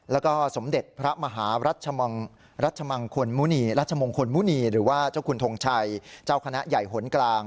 แล้วก็สมเด็จพระมหารัชมังคลมุณีรัชมงคลมุณีหรือว่าเจ้าคุณทงชัยเจ้าคณะใหญ่หนกลาง